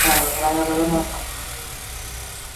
Lan-poltsan sartzeko aukera duten hautagaiak.